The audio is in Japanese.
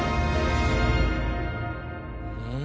うん？